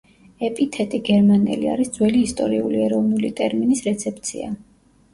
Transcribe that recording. ეპითეტი „გერმანელი“ არის ძველი ისტორიული ეროვნული ტერმინის „რეცეფცია“.